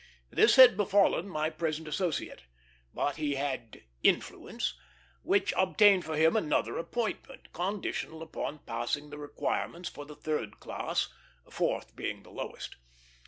This had befallen my present associate; but he had "influence," which obtained for him another appointment, conditional upon passing the requirements for the third class, fourth being the lowest.